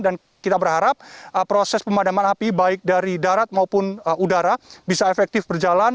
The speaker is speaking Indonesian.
dan kita berharap proses pemadaman api baik dari darat maupun udara bisa efektif berjalan